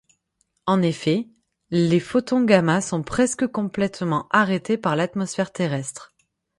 En effet, les photons gamma sont presque complètement arrêtés par l'atmosphère terrestre.